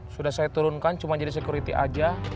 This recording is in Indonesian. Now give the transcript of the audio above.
sudah saya turunkan cuma jadi security aja